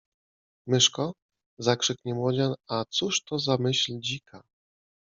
Myszko? - zakrzyknie młodzian A cóż to za myśl dzika